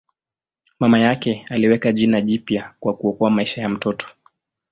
Mama yake aliweka jina jipya kwa kuokoa maisha ya mtoto.